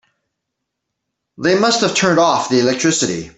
They must have turned off the electricity.